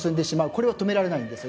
これを止められないんですよ